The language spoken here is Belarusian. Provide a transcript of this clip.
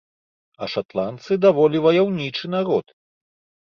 А шатландцы даволі ваяўнічы народ.